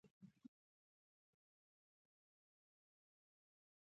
په یوه ډله وریرو کې نورجان پروت خاورو ایرو کې تاریخي شالید لري